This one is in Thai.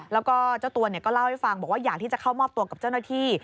แล้วก็เจ้าตัวก็เล่าให้ฟังบอกว่าอยากที่จะเข้ามอบตัวกับเจ้าหน้าที่